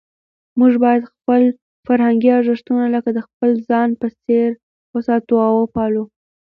موږ باید خپل فرهنګي ارزښتونه لکه د خپل ځان په څېر وساتو او وپالو.